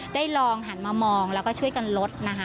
ได้ลองหันมามองแล้วก็ช่วยกันลดนะคะ